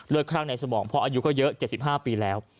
เลือดครั้งในสมองพ่ออายุก็เยอะ๗๕ปีแล้ว